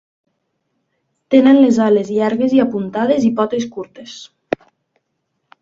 Tenen les ales llargues i apuntades i potes curtes.